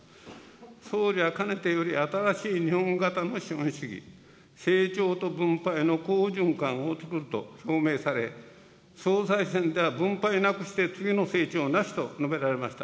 総理はかねてより新しい日本型の資本主義、成長と分配の好循環をつくると表明され、総裁選では分配なくして次の成長なしと述べられました。